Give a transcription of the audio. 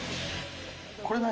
これ何？